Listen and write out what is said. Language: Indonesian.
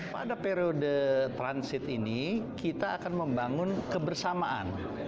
pada periode transit ini kita akan membangun kebersamaan